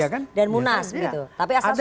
kemudian rapimnas dan munas